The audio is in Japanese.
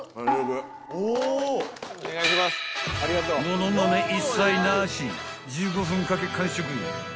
［物まね一切なし１５分かけ完食］